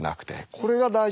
これが大事で。